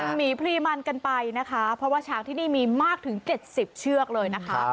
หมีพรีมันกันไปนะคะเพราะว่าช้างที่นี่มีมากถึง๗๐เชือกเลยนะคะ